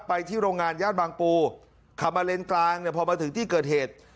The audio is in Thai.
ไปที่โรงงานย่านบางปูขับมาเลนกลางเนี่ยพอมาถึงที่เกิดเหตุ